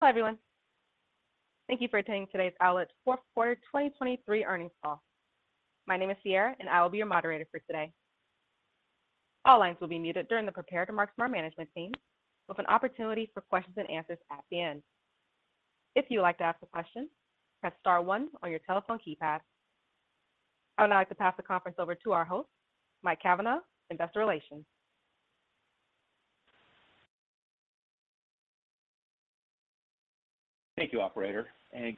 Hello everyone. Thank you for attending today's Owlet fourth quarter 2023 earnings call. My name is Sierra, and I will be your moderator for today. All lines will be muted during the prepared remarks from our management team, with an opportunity for questions and answers at the end. If you would like to ask a question, press star one on your telephone keypad. I would now like to pass the conference over to our host, Mike Cavanaugh, Investor Relations. Thank you, Operator.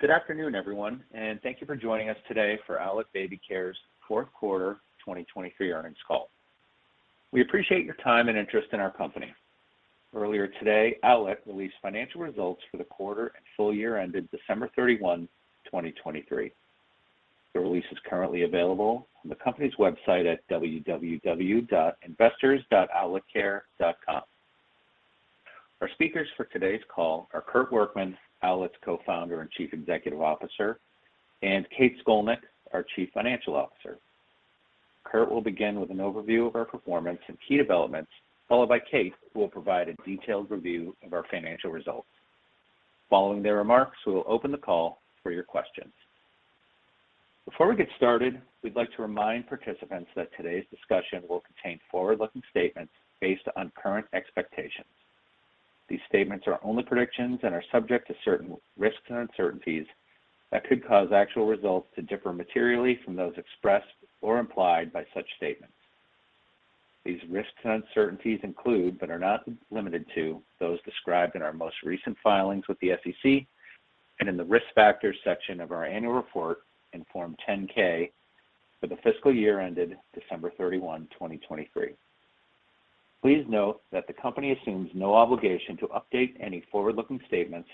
Good afternoon, everyone, and thank you for joining us today for Owlet Baby Care's 4th quarter 2023 earnings call. We appreciate your time and interest in our company. Earlier today, Owlet released financial results for the quarter and full year ended December 31, 2023. The release is currently available on the company's website at www.investors.owletcare.com. Our speakers for today's call are Kurt Workman, Owlet's Co-founder and Chief Executive Officer, and Kate Scolnick, our Chief Financial Officer. Kurt will begin with an overview of our performance and key developments, followed by Kate, who will provide a detailed review of our financial results. Following their remarks, we will open the call for your questions. Before we get started, we'd like to remind participants that today's discussion will contain forward-looking statements based on current expectations. These statements are only predictions and are subject to certain risks and uncertainties that could cause actual results to differ materially from those expressed or implied by such statements. These risks and uncertainties include, but are not limited to, those described in our most recent filings with the SEC and in the risk factors section of our annual report, Form 10-K, for the fiscal year ended December 31, 2023. Please note that the company assumes no obligation to update any forward-looking statements,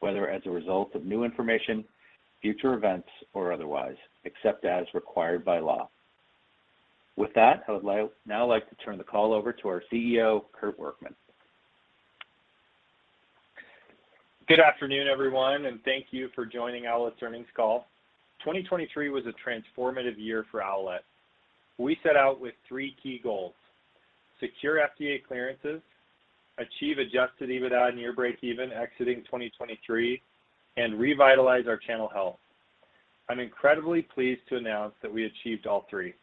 whether as a result of new information, future events, or otherwise, except as required by law. With that, I would now like to turn the call over to our CEO, Kurt Workman. Good afternoon, everyone, and thank you for joining Owlet's earnings call. 2023 was a transformative year for Owlet. We set out with three key goals: secure FDA clearances, achieve Adjusted EBITDA and year break-even exiting 2023, and revitalize our channel health. I'm incredibly pleased to announce that we achieved all three.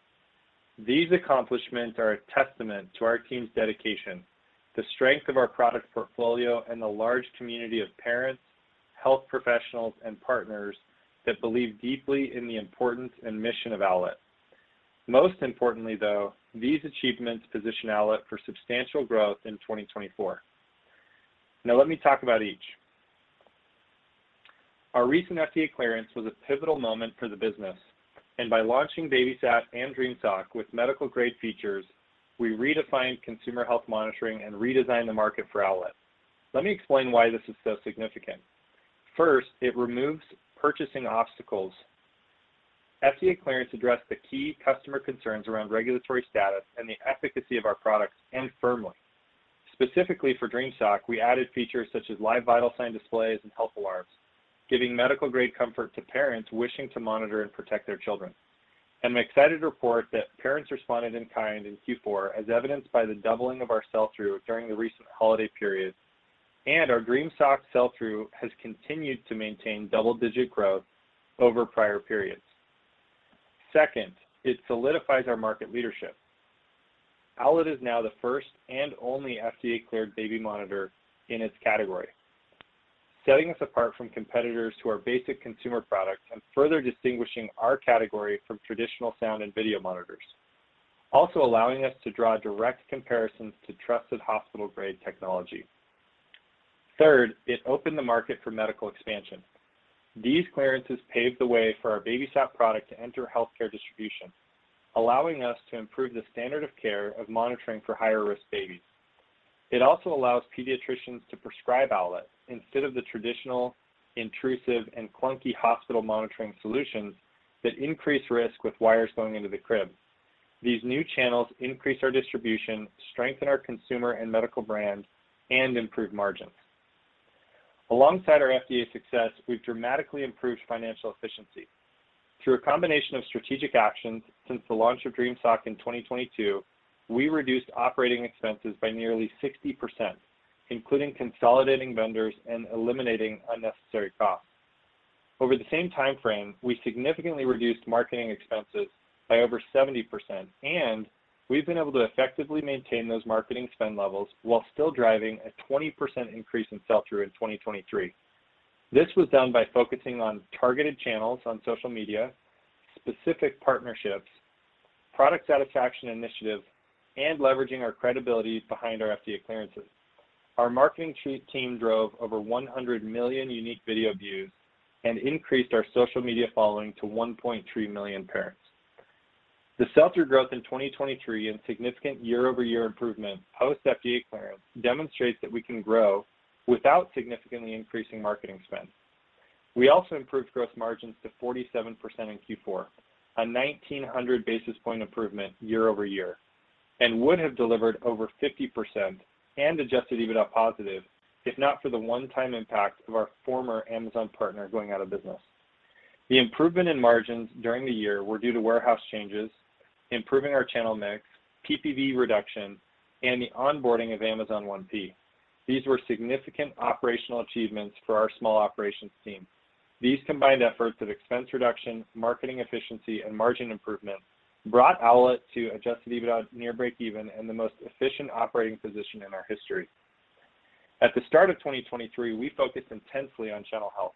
These accomplishments are a testament to our team's dedication, the strength of our product portfolio, and the large community of parents, health professionals, and partners that believe deeply in the importance and mission of Owlet. Most importantly, though, these achievements position Owlet for substantial growth in 2024. Now let me talk about each. Our recent FDA clearance was a pivotal moment for the business, and by launching BabySat and Dream Sock with medical-grade features, we redefined consumer health monitoring and redesigned the market for Owlet. Let me explain why this is so significant. First, it removes purchasing obstacles. FDA clearance addressed the key customer concerns around regulatory status and the efficacy of our products and firmly. Specifically for Dream Sock, we added features such as live vital sign displays and health alarms, giving medical-grade comfort to parents wishing to monitor and protect their children. I'm excited to report that parents responded in kind in Q4, as evidenced by the doubling of our sell-through during the recent holiday period, and our Dream Sock sell-through has continued to maintain double-digit growth over prior periods. Second, it solidifies our market leadership. Owlet is now the first and only FDA-cleared baby monitor in its category, setting us apart from competitors who are basic consumer products and further distinguishing our category from traditional sound and video monitors, also allowing us to draw direct comparisons to trusted hospital-grade technology. Third, it opened the market for medical expansion. These clearances paved the way for our BabySat product to enter healthcare distribution, allowing us to improve the standard of care of monitoring for higher-risk babies. It also allows pediatricians to prescribe Owlet instead of the traditional intrusive and clunky hospital monitoring solutions that increase risk with wires going into the crib. These new channels increase our distribution, strengthen our consumer and medical brand, and improve margins. Alongside our FDA success, we've dramatically improved financial efficiency. Through a combination of strategic actions since the launch of Dream Sock in 2022, we reduced operating expenses by nearly 60%, including consolidating vendors and eliminating unnecessary costs. Over the same time frame, we significantly reduced marketing expenses by over 70%, and we've been able to effectively maintain those marketing spend levels while still driving a 20% increase in sell-through in 2023. This was done by focusing on targeted channels on social media, specific partnerships, product satisfaction initiatives, and leveraging our credibility behind our FDA clearances. Our marketing team drove over 100 million unique video views and increased our social media following to 1.3 million parents. The sell-through growth in 2023 and significant year-over-year improvement post-FDA clearance demonstrates that we can grow without significantly increasing marketing spend. We also improved gross margins to 47% in Q4, a 1,900 basis point improvement year-over-year, and would have delivered over 50% and Adjusted EBITDA positive if not for the one-time impact of our former Amazon partner going out of business. The improvement in margins during the year were due to warehouse changes, improving our channel mix, PPV reduction, and the onboarding of Amazon 1P. These were significant operational achievements for our small operations team. These combined efforts of expense reduction, marketing efficiency, and margin improvement brought Owlet to Adjusted EBITDA near break-even and the most efficient operating position in our history. At the start of 2023, we focused intensely on channel health.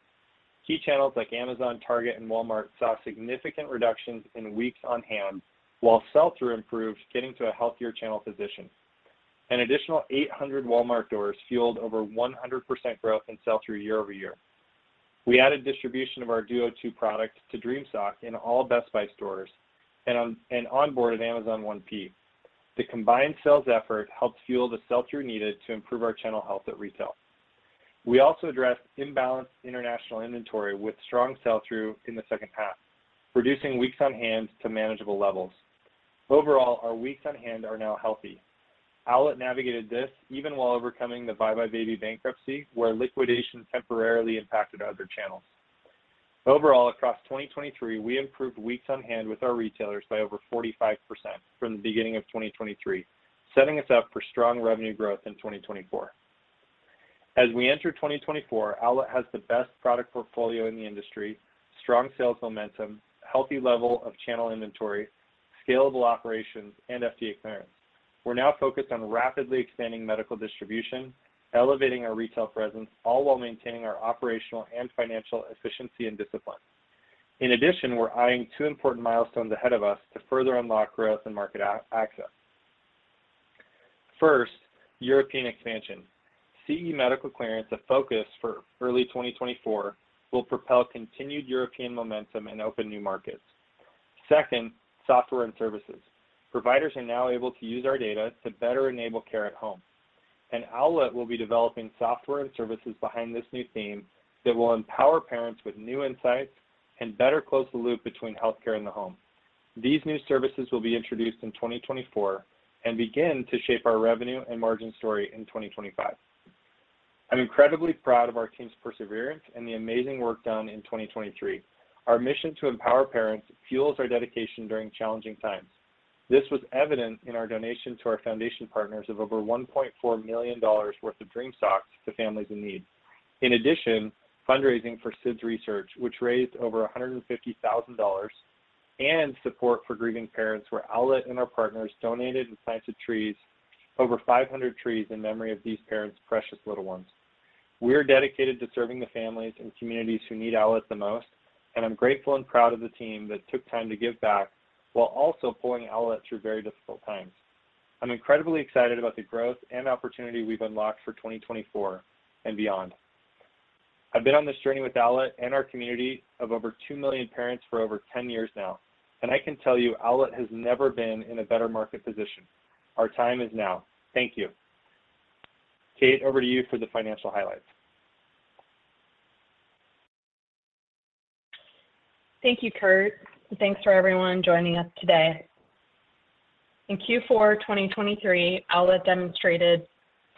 Key channels like Amazon, Target, and Walmart saw significant reductions in weeks on hand while sell-through improved, getting to a healthier channel position. An additional 800 Walmart doors fueled over 100% growth in sell-through year-over-year. We added distribution of our Duo 2 product to Dream Sock in all Best Buy stores and onboarded Amazon 1P. The combined sales effort helped fuel the sell-through needed to improve our channel health at retail. We also addressed imbalanced international inventory with strong sell-through in the second half, reducing weeks on hand to manageable levels. Overall, our weeks on hand are now healthy. Owlet navigated this even while overcoming the BuyBuy Baby bankruptcy, where liquidation temporarily impacted other channels. Overall, across 2023, we improved weeks on hand with our retailers by over 45% from the beginning of 2023, setting us up for strong revenue growth in 2024. As we enter 2024, Owlet has the best product portfolio in the industry, strong sales momentum, healthy level of channel inventory, scalable operations, and FDA clearance. We're now focused on rapidly expanding medical distribution, elevating our retail presence, all while maintaining our operational and financial efficiency and discipline. In addition, we're eyeing two important milestones ahead of us to further unlock growth and market access. First, European expansion. CE medical clearance, a focus for early 2024, will propel continued European momentum and open new markets. Second, software and services. Providers are now able to use our data to better enable care at home, and Owlet will be developing software and services behind this new theme that will empower parents with new insights and better close the loop between healthcare and the home. These new services will be introduced in 2024 and begin to shape our revenue and margin story in 2025. I'm incredibly proud of our team's perseverance and the amazing work done in 2023. Our mission to empower parents fuels our dedication during challenging times. This was evident in our donation to our foundation partners of over $1.4 million worth of Dream Sock to families in need. In addition, fundraising for SIDS research, which raised over $150,000, and support for grieving parents where Owlet and our partners donated and planted trees, over 500 trees in memory of these parents' precious little ones. We're dedicated to serving the families and communities who need Owlet the most, and I'm grateful and proud of the team that took time to give back while also pulling Owlet through very difficult times. I'm incredibly excited about the growth and opportunity we've unlocked for 2024 and beyond. I've been on this journey with Owlet and our community of over two million parents for over 10 years now, and I can tell you Owlet has never been in a better market position. Our time is now. Thank you. Kate, over to you for the financial highlights. Thank you, Kurt. Thanks for everyone joining us today. In Q4 2023, Owlet demonstrated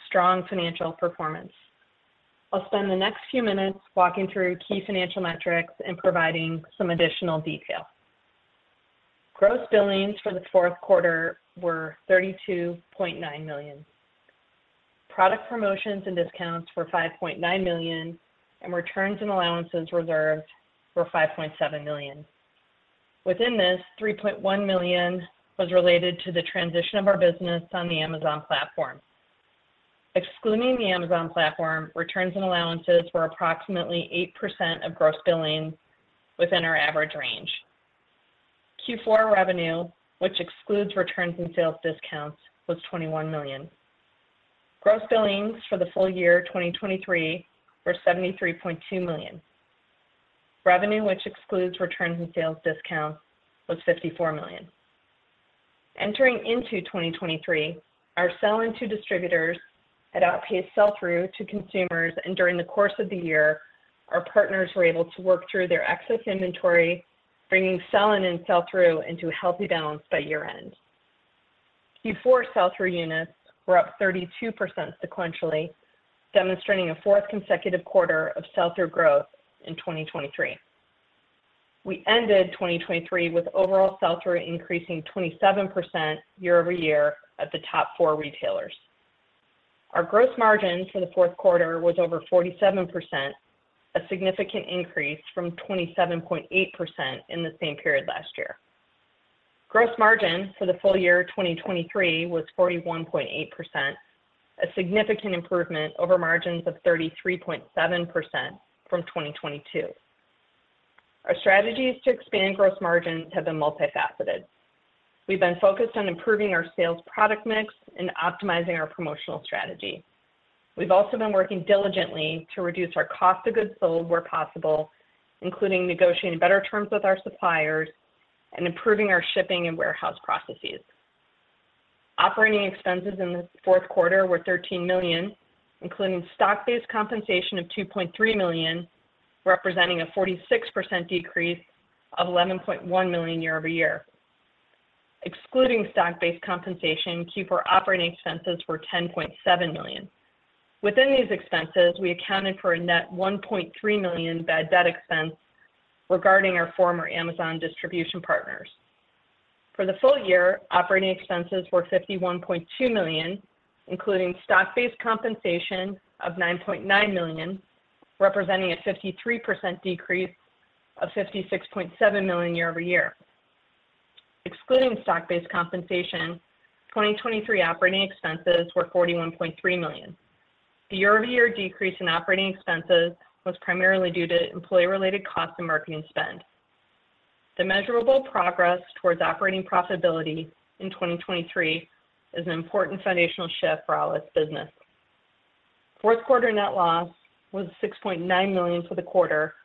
strong financial performance. I'll spend the next few minutes walking through key financial metrics and providing some additional detail. Gross billings for the fourth quarter were $32.9 million. Product promotions and discounts were $5.9 million, and returns and allowances reserved were $5.7 million. Within this, $3.1 million was related to the transition of our business on the Amazon platform. Excluding the Amazon platform, returns and allowances were approximately 8% of gross billing within our average range. Q4 revenue, which excludes returns and sales discounts, was $21 million. Gross billings for the full year 2023 were $73.2 million. Revenue, which excludes returns and sales discounts, was $54 million. Entering into 2023, our sell-in to distributors had outpaced sell-through to consumers, and during the course of the year, our partners were able to work through their excess inventory, bringing sell-in and sell-through into healthy balance by year-end. Q4 sell-through units were up 32% sequentially, demonstrating a fourth consecutive quarter of sell-through growth in 2023. We ended 2023 with overall sell-through increasing 27% year-over-year at the top four retailers. Our gross margin for the fourth quarter was over 47%, a significant increase from 27.8% in the same period last year. Gross margin for the full year 2023 was 41.8%, a significant improvement over margins of 33.7% from 2022. Our strategies to expand gross margins have been multifaceted. We've been focused on improving our sales product mix and optimizing our promotional strategy. We've also been working diligently to reduce our cost of goods sold where possible, including negotiating better terms with our suppliers and improving our shipping and warehouse processes. Operating expenses in the fourth quarter were $13 million, including stock-based compensation of $2.3 million, representing a 46% decrease of $11.1 million year-over-year. Excluding stock-based compensation, Q4 operating expenses were $10.7 million. Within these expenses, we accounted for a net $1.3 million bad debt expense regarding our former Amazon distribution partners. For the full year, operating expenses were $51.2 million, including stock-based compensation of $9.9 million, representing a 53% decrease of $56.7 million year-over-year. Excluding stock-based compensation, 2023 operating expenses were $41.3 million. The year-over-year decrease in operating expenses was primarily due to employee-related costs and marketing spend. The measurable progress towards operating profitability in 2023 is an important foundational shift for Owlet's business. Fourth quarter net loss was $6.9 million for the quarter,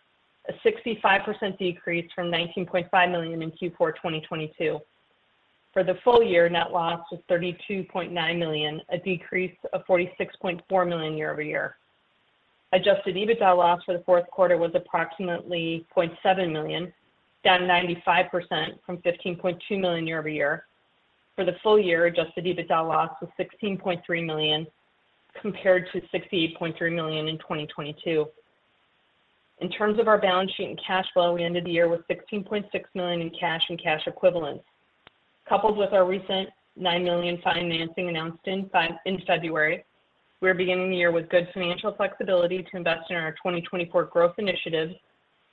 a 65% decrease from $19.5 million in Q4 2022. For the full year, net loss was $32.9 million, a decrease of $46.4 million year-over-year. Adjusted EBITDA loss for the fourth quarter was approximately $0.7 million, down 95% from $15.2 million year-over-year. For the full year, adjusted EBITDA loss was $16.3 million compared to $68.3 million in 2022. In terms of our balance sheet and cash flow, we ended the year with $16.6 million in cash and cash equivalents. Coupled with our recent $9 million financing announced in February, we are beginning the year with good financial flexibility to invest in our 2024 growth initiatives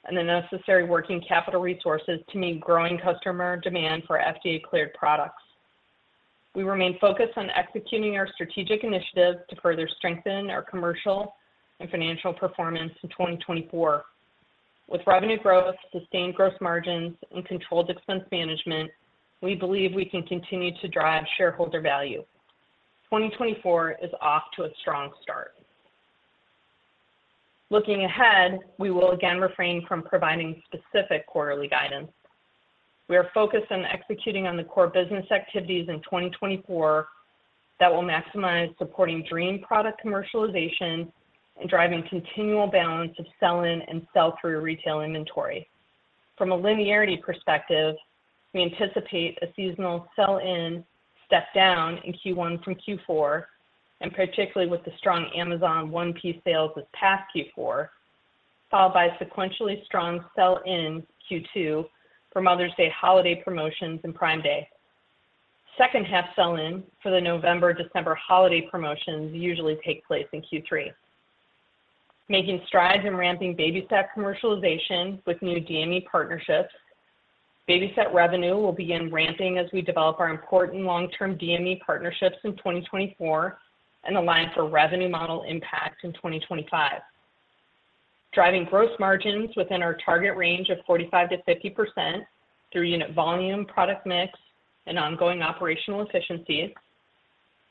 and the necessary working capital resources to meet growing customer demand for FDA-cleared products. We remain focused on executing our strategic initiatives to further strengthen our commercial and financial performance in 2024. With revenue growth, sustained gross margins, and controlled expense management, we believe we can continue to drive shareholder value. 2024 is off to a strong start. Looking ahead, we will again refrain from providing specific quarterly guidance. We are focused on executing on the core business activities in 2024 that will maximize supporting Dream product commercialization and driving continual balance of sell-in and sell-through retail inventory. From a linearity perspective, we anticipate a seasonal sell-in step down in Q1 from Q4, and particularly with the strong Amazon 1P sales this past Q4, followed by sequentially strong sell-in Q2 for Mother's Day holiday promotions and Prime Day. Second-half sell-in for the November-December holiday promotions usually takes place in Q3. Making strides in ramping BabySat commercialization with new DME partnerships. BabySat revenue will begin ramping as we develop our important long-term DME partnerships in 2024 and align for revenue model impact in 2025. Driving gross margins within our target range of 45%-50% through unit volume, product mix, and ongoing operational efficiencies,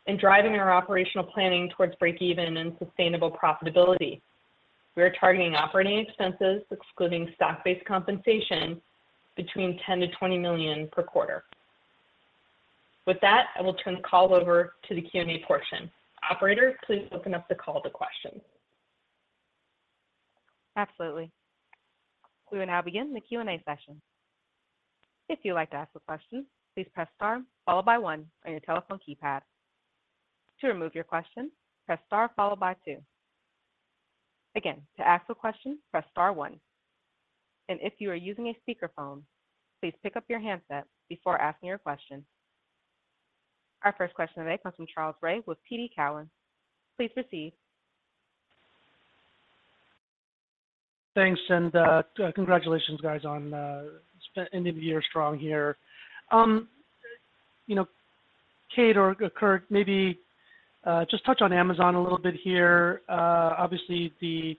and driving our operational planning towards break-even and sustainable profitability. We are targeting operating expenses, excluding stock-based compensation, between $10 million-$20 million per quarter. With that, I will turn the call over to the Q&A portion. Operator, please open up the call to questions. Absolutely. We will now begin the Q&A session. If you would like to ask a question, please press star followed by one on your telephone keypad. To remove your question, press star followed by one. Again, to ask a question, press star one. And if you are using a speakerphone, please pick up your handset before asking your question. Our first question today comes from Charles Rhyee with TD Cowen. Please proceed. Thanks, and congratulations, guys, on ending the year strong here. Kate, or Kurt, maybe just touch on Amazon a little bit here. Obviously, the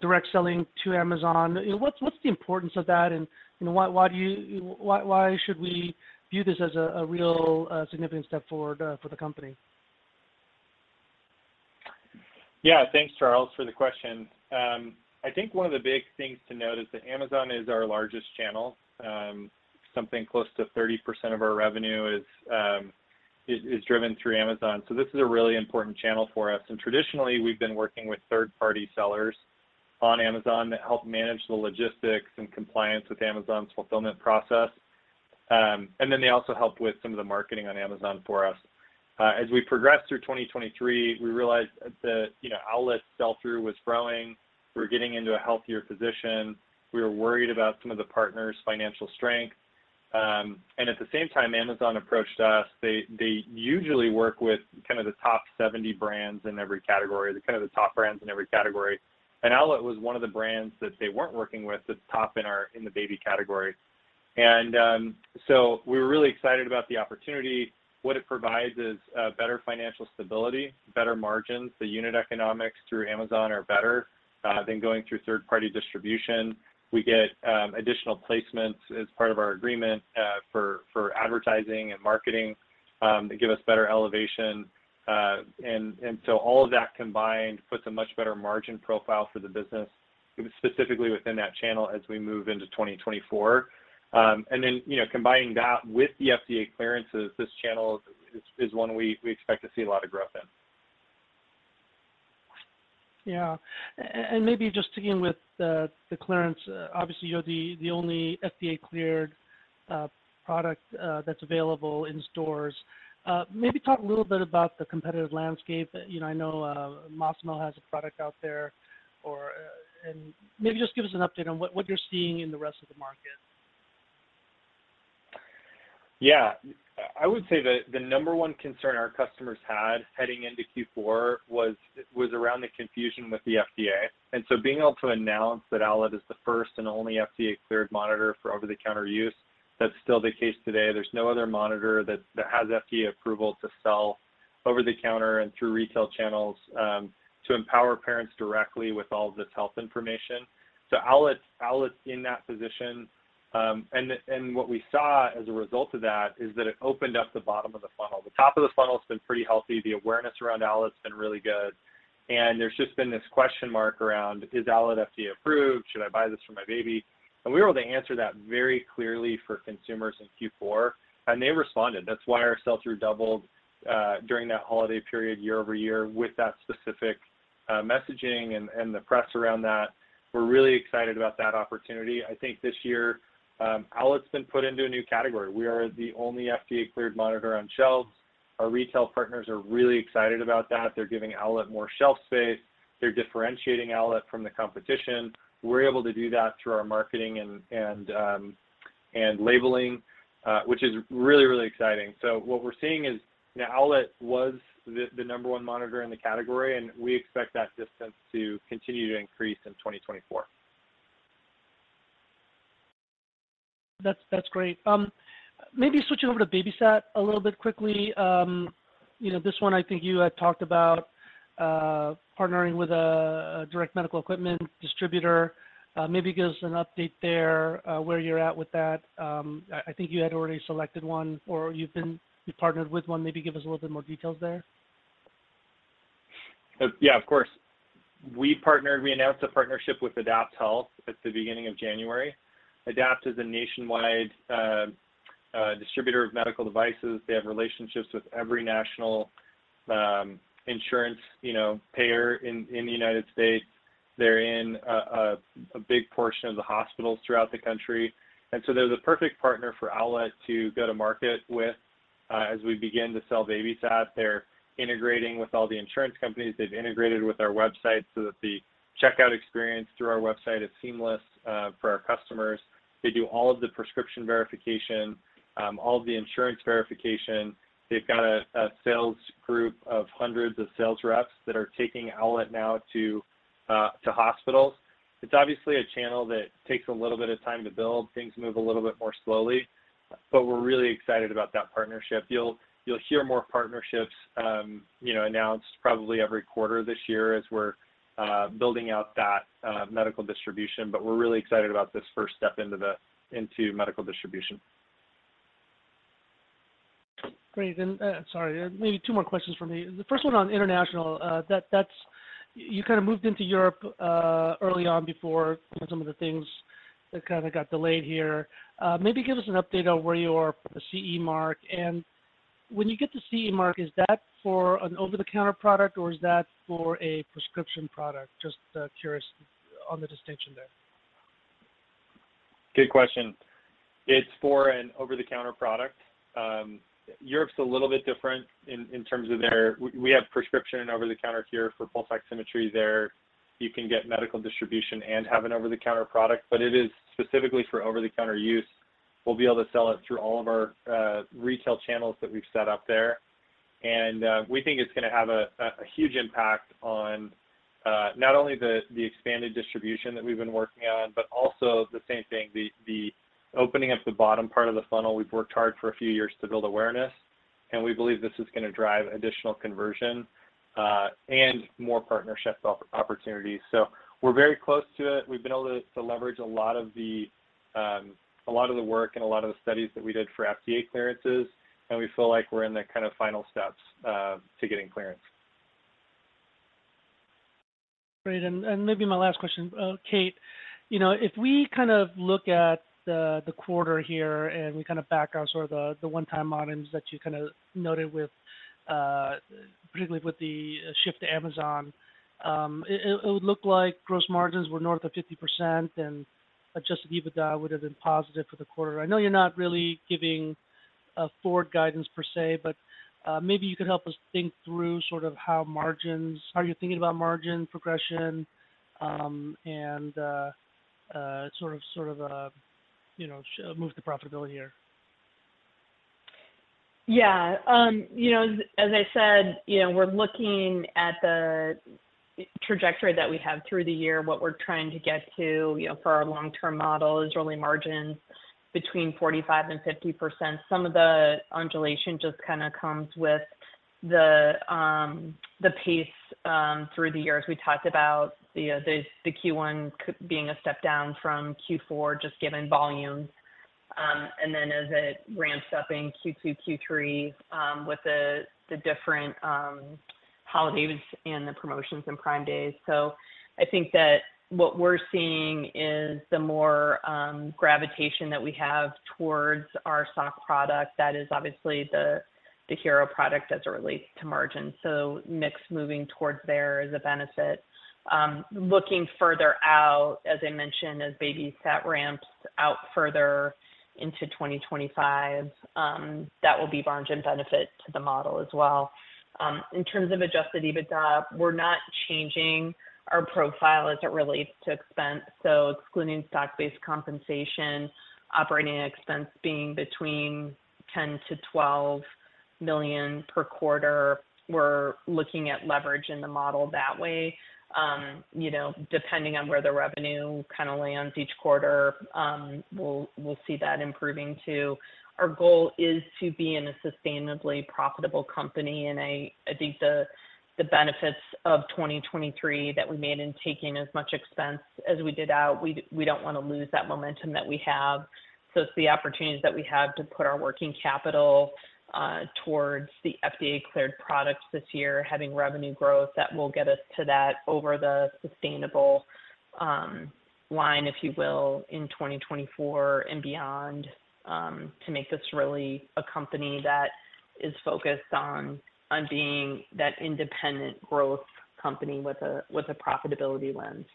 direct selling to Amazon. What's the importance of that, and why should we view this as a real significant step forward for the company? Yeah, thanks, Charles, for the question. I think one of the big things to note is that Amazon is our largest channel. Something close to 30% of our revenue is driven through Amazon. So this is a really important channel for us. And traditionally, we've been working with third-party sellers on Amazon that help manage the logistics and compliance with Amazon's fulfillment process. And then they also help with some of the marketing on Amazon for us. As we progressed through 2023, we realized that Owlet's sell-through was growing. We were getting into a healthier position. We were worried about some of the partners' financial strength. And at the same time, Amazon approached us. They usually work with kind of the top 70 brands in every category, kind of the top brands in every category. Owlet was one of the brands that they weren't working with that's top in the baby category. And so we were really excited about the opportunity. What it provides is better financial stability, better margins. The unit economics through Amazon are better than going through third-party distribution. We get additional placements as part of our agreement for advertising and marketing. They give us better elevation. And so all of that combined puts a much better margin profile for the business, specifically within that channel as we move into 2024. And then combining that with the FDA clearances, this channel is one we expect to see a lot of growth in. Yeah. And maybe just sticking with the clearance, obviously, you're the only FDA-cleared product that's available in stores. Maybe talk a little bit about the competitive landscape. I know Masimo has a product out there. And maybe just give us an update on what you're seeing in the rest of the market. Yeah. I would say that the number one concern our customers had heading into Q4 was around the confusion with the FDA. And so being able to announce that Owlet is the first and only FDA-cleared monitor for over-the-counter use, that's still the case today. There's no other monitor that has FDA approval to sell over-the-counter and through retail channels to empower parents directly with all of this health information. So Owlet's in that position. And what we saw as a result of that is that it opened up the bottom of the funnel. The top of the funnel has been pretty healthy. The awareness around Owlet's been really good. And there's just been this question mark around, "Is Owlet FDA-approved? Should I buy this for my baby?" And we were able to answer that very clearly for consumers in Q4. And they responded. That's why our sell-through doubled during that holiday period year-over-year with that specific messaging and the press around that. We're really excited about that opportunity. I think this year, Owlet's been put into a new category. We are the only FDA-cleared monitor on shelves. Our retail partners are really excited about that. They're giving Owlet more shelf space. They're differentiating Owlet from the competition. We're able to do that through our marketing and labeling, which is really, really exciting. So what we're seeing is now Owlet was the number one monitor in the category, and we expect that distance to continue to increase in 2024. That's great. Maybe switching over to BabySat a little bit quickly. This one, I think you had talked about partnering with a direct medical equipment distributor. Maybe give us an update there where you're at with that. I think you had already selected one or you've partnered with one. Maybe give us a little bit more details there. Yeah, of course. We announced a partnership with AdaptHealth at the beginning of January. AdaptHealth is a nationwide distributor of medical devices. They have relationships with every national insurance payer in the United States. They're in a big portion of the hospitals throughout the country. And so they're the perfect partner for Owlet to go to market with as we begin to sell BabySat. They're integrating with all the insurance companies. They've integrated with our website so that the checkout experience through our website is seamless for our customers. They do all of the prescription verification, all of the insurance verification. They've got a sales group of hundreds of sales reps that are taking Owlet now to hospitals. It's obviously a channel that takes a little bit of time to build. Things move a little bit more slowly. But we're really excited about that partnership. You'll hear more partnerships announced probably every quarter this year as we're building out that medical distribution. But we're really excited about this first step into medical distribution. Great. And sorry, maybe two more questions for me. The first one on international, you kind of moved into Europe early on before some of the things that kind of got delayed here. Maybe give us an update on where you are with the CE mark. And when you get the CE mark, is that for an over-the-counter product, or is that for a prescription product? Just curious on the distinction there. Good question. It's for an over-the-counter product. Europe's a little bit different in terms of there. We have prescription and over-the-counter here for pulse oximetry there. You can get medical distribution and have an over-the-counter product. But it is specifically for over-the-counter use. We'll be able to sell it through all of our retail channels that we've set up there. And we think it's going to have a huge impact on not only the expanded distribution that we've been working on, but also the same thing, the opening up of the bottom part of the funnel. We've worked hard for a few years to build awareness. And we believe this is going to drive additional conversion and more partnership opportunities. So we're very close to it. We've been able to leverage a lot of the work and a lot of the studies that we did for FDA clearances. And we feel like we're in the kind of final steps to getting clearance. Great. And maybe my last question, Kate. If we kind of look at the quarter here and we kind of background sort of the one-time items that you kind of noted with particularly with the shift to Amazon, it would look like gross margins were north of 50%, and Adjusted EBITDA would have been positive for the quarter. I know you're not really giving forward guidance per se, but maybe you could help us think through sort of how are you thinking about margin progression and sort of move the profitability here? Yeah. As I said, we're looking at the trajectory that we have through the year. What we're trying to get to for our long-term model is early margins between 45%-50%. Some of the undulation just kind of comes with the pace through the years. We talked about the Q1 being a step down from Q4 just given volume. And then as it ramps up in Q2, Q3 with the different holidays and the promotions and Prime Days. So I think that what we're seeing is the more gravitation that we have towards our sock product that is obviously the hero product as it relates to margins. So mix moving towards there is a benefit. Looking further out, as I mentioned, as BabySat ramps out further into 2025, that will be margin benefit to the model as well. In terms of Adjusted EBITDA, we're not changing our profile as it relates to expense. So excluding stock-based compensation, operating expense being between $10 million-$12 million per quarter, we're looking at leverage in the model that way. Depending on where the revenue kind of lands each quarter, we'll see that improving too. Our goal is to be in a sustainably profitable company. And I think the benefits of 2023 that we made in taking as much expense as we did out, we don't want to lose that momentum that we have. So it's the opportunities that we have to put our working capital towards the FDA-cleared products this year, having revenue growth that will get us to that over the sustainable line, if you will, in 2024 and beyond to make this really a company that is focused on being that independent growth company with a profitability lens.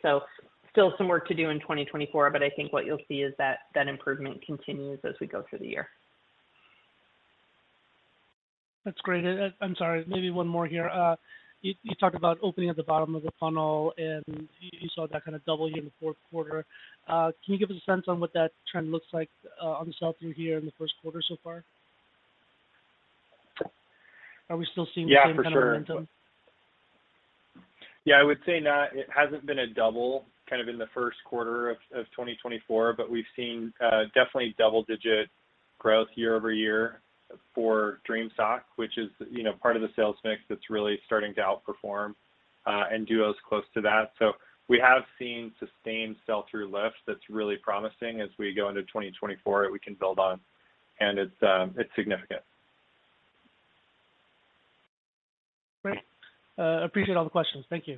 Still some work to do in 2024, but I think what you'll see is that improvement continues as we go through the year. That's great. I'm sorry. Maybe one more here. You talked about opening at the bottom of the funnel, and you saw that kind of double here in the fourth quarter. Can you give us a sense on what that trend looks like on the sell-through here in the first quarter so far? Are we still seeing the same kind of momentum? Yeah, for sure. Yeah, I would say not. It hasn't been double-digit in the first quarter of 2024, but we've seen definitely double-digit growth year-over-year for Dream Sock, which is part of the sales mix that's really starting to outperform and Duo’s close to that. So we have seen sustained sell-through lift that's really promising as we go into 2024 that we can build on. And it's significant. Great. Appreciate all the questions. Thank you.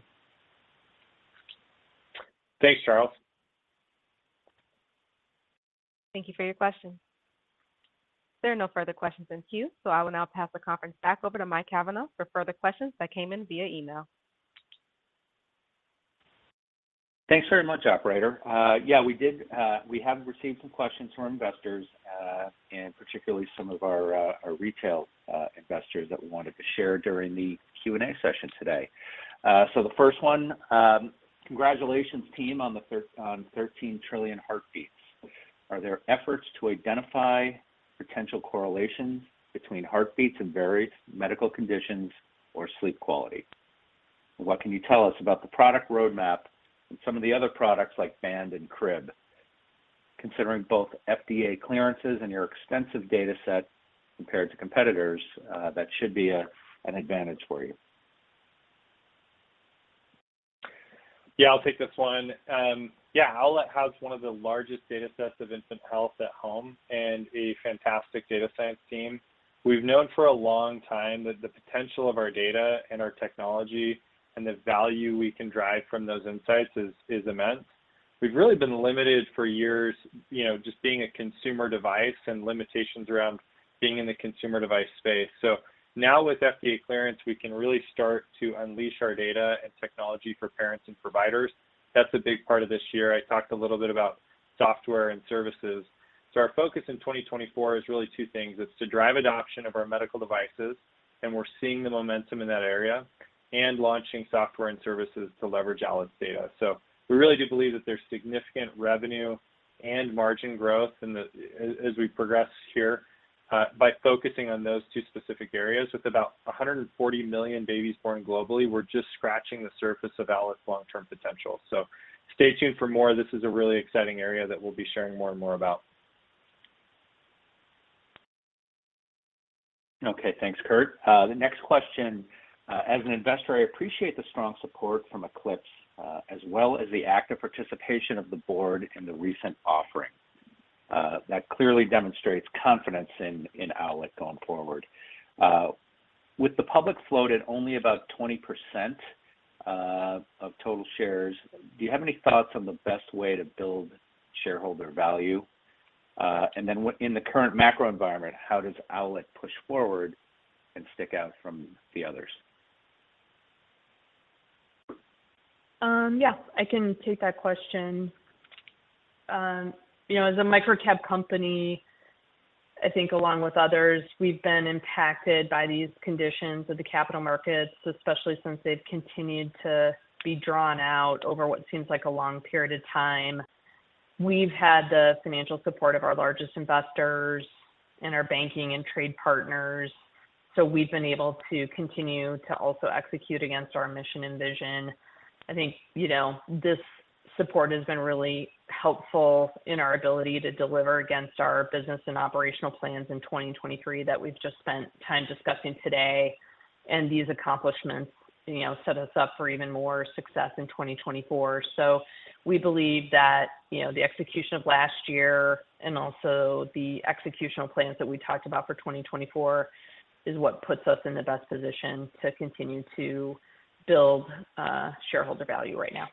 Thanks, Charles. Thank you for your question. There are no further questions in queue, so I will now pass the conference back over to Mike Cavanaugh for further questions that came in via email. Thanks very much, operator. Yeah, we have received some questions from investors, and particularly some of our retail investors that we wanted to share during the Q&A session today. So the first one, congratulations, team, on 13 trillion heartbeats. Are there efforts to identify potential correlations between heartbeats and various medical conditions or sleep quality? What can you tell us about the product roadmap and some of the other products like band and crib, considering both FDA clearances and your extensive dataset compared to competitors that should be an advantage for you? Yeah, I'll take this one. Yeah, Owlet has one of the largest datasets of infant health at home and a fantastic data science team. We've known for a long time that the potential of our data and our technology and the value we can drive from those insights is immense. We've really been limited for years just being a consumer device and limitations around being in the consumer device space. So now with FDA clearance, we can really start to unleash our data and technology for parents and providers. That's a big part of this year. I talked a little bit about software and services. So our focus in 2024 is really two things. It's to drive adoption of our medical devices, and we're seeing the momentum in that area, and launching software and services to leverage Owlet's data. So we really do believe that there's significant revenue and margin growth as we progress here. By focusing on those two specific areas, with about 140 million babies born globally, we're just scratching the surface of Owlet's long-term potential. So stay tuned for more. This is a really exciting area that we'll be sharing more and more about. Okay. Thanks, Kurt. The next question, as an investor, I appreciate the strong support from Eclipse as well as the active participation of the board in the recent offering. That clearly demonstrates confidence in Owlet going forward. With the public floated only about 20% of total shares, do you have any thoughts on the best way to build shareholder value? And then in the current macro environment, how does Owlet push forward and stick out from the others? Yeah, I can take that question. As a micro-cap company, I think along with others, we've been impacted by these conditions of the capital markets, especially since they've continued to be drawn out over what seems like a long period of time. We've had the financial support of our largest investors and our banking and trade partners. So we've been able to continue to also execute against our mission and vision. I think this support has been really helpful in our ability to deliver against our business and operational plans in 2023 that we've just spent time discussing today. And these accomplishments set us up for even more success in 2024. So we believe that the execution of last year and also the executional plans that we talked about for 2024 is what puts us in the best position to continue to build shareholder value right now.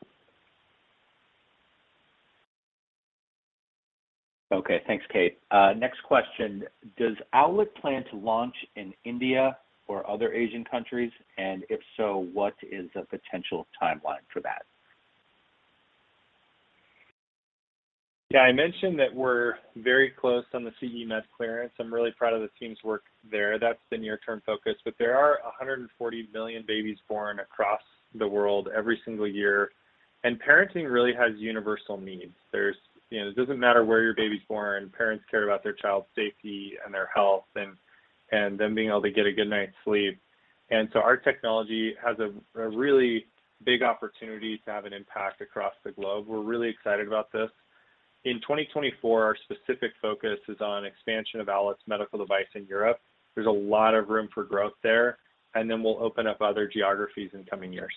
Okay. Thanks, Kate. Next question, does Owlet plan to launch in India or other Asian countries? And if so, what is the potential timeline for that? Yeah, I mentioned that we're very close on the CE medical clearance. I'm really proud of the team's work there. That's the near-term focus. But there are 140 million babies born across the world every single year. Parenting really has universal needs. It doesn't matter where your baby's born. Parents care about their child's safety and their health and them being able to get a good night's sleep. And so our technology has a really big opportunity to have an impact across the globe. We're really excited about this. In 2024, our specific focus is on expansion of Owlet's medical device in Europe. There's a lot of room for growth there. And then we'll open up other geographies in coming years.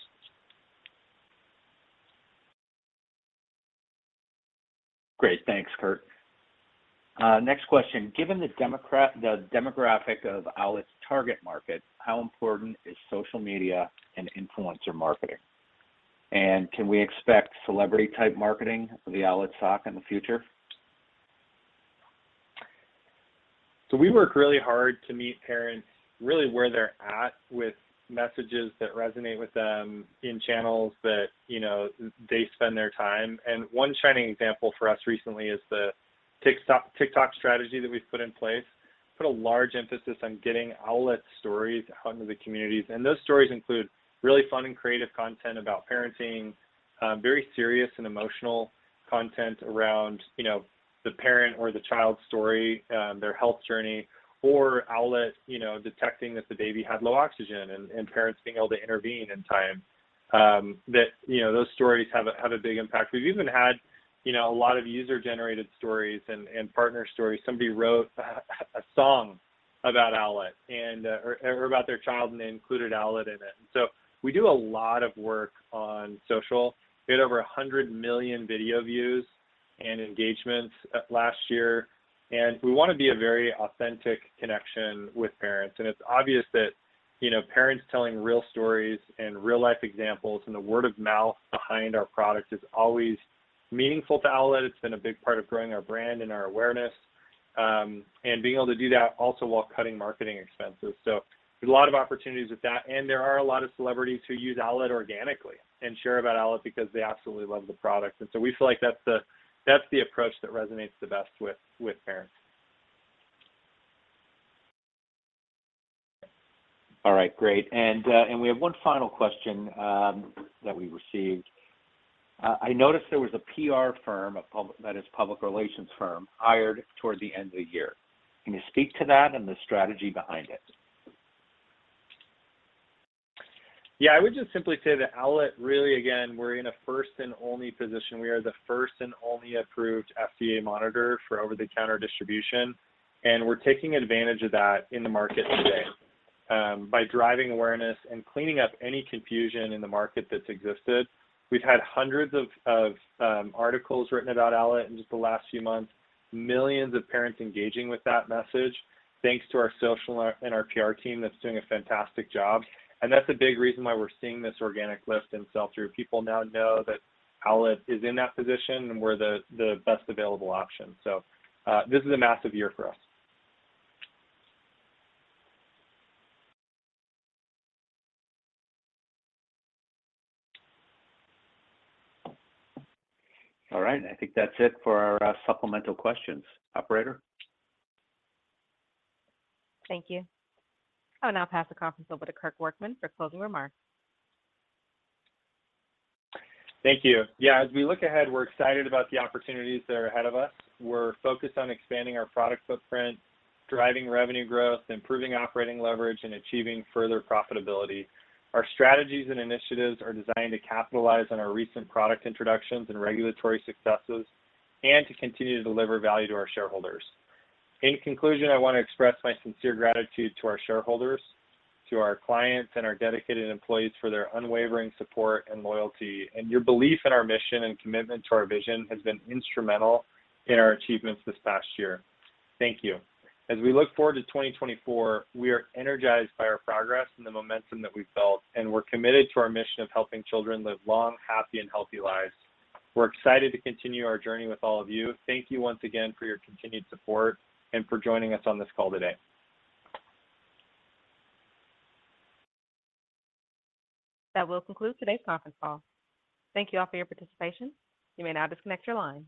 Great. Thanks, Kurt. Next question, given the demographic of Owlet's target market, how important is social media and influencer marketing? And can we expect celebrity-type marketing of the Owlet sock in the future? So we work really hard to meet parents really where they're at with messages that resonate with them in channels that they spend their time. And one shining example for us recently is the TikTok strategy that we've put in place. Put a large emphasis on getting Owlet stories out into the communities. And those stories include really fun and creative content about parenting, very serious and emotional content around the parent or the child's story, their health journey, or Owlet detecting that the baby had low oxygen and parents being able to intervene in time. Those stories have a big impact. We've even had a lot of user-generated stories and partner stories. Somebody wrote a song about Owlet or about their child and they included Owlet in it. So we do a lot of work on social. We had over 100 million video views and engagements last year. We want to be a very authentic connection with parents. It's obvious that parents telling real stories and real-life examples and the word of mouth behind our product is always meaningful to Owlet. It's been a big part of growing our brand and our awareness. Being able to do that also while cutting marketing expenses. There's a lot of opportunities with that. There are a lot of celebrities who use Owlet organically and share about Owlet because they absolutely love the product. We feel like that's the approach that resonates the best with parents. All right. Great. And we have one final question that we received. I noticed there was a PR firm that is a public relations firm hired toward the end of the year. Can you speak to that and the strategy behind it? Yeah, I would just simply say that Owlet, really, again, we're in a first and only position. We are the first and only approved FDA monitor for over-the-counter distribution. We're taking advantage of that in the market today. By driving awareness and cleaning up any confusion in the market that's existed, we've had hundreds of articles written about Owlet in just the last few months, millions of parents engaging with that message, thanks to our social and our PR team that's doing a fantastic job. That's a big reason why we're seeing this organic lift in sell-through. People now know that Owlet is in that position and we're the best available option. This is a massive year for us. All right. I think that's it for our supplemental questions. Operator? Thank you. I will now pass the conference over to Kurt Workman for closing remarks. Thank you. Yeah, as we look ahead, we're excited about the opportunities that are ahead of us. We're focused on expanding our product footprint, driving revenue growth, improving operating leverage, and achieving further profitability. Our strategies and initiatives are designed to capitalize on our recent product introductions and regulatory successes and to continue to deliver value to our shareholders. In conclusion, I want to express my sincere gratitude to our shareholders, to our clients, and our dedicated employees for their unwavering support and loyalty. Your belief in our mission and commitment to our vision has been instrumental in our achievements this past year. Thank you. As we look forward to 2024, we are energized by our progress and the momentum that we've built, and we're committed to our mission of helping children live long, happy, and healthy lives. We're excited to continue our journey with all of you. Thank you once again for your continued support and for joining us on this call today. That will conclude today's conference call. Thank you all for your participation. You may now disconnect your line.